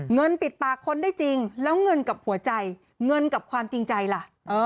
เงินปิดปากคนได้จริงแล้วเงินกับหัวใจเงินกับความจริงใจล่ะ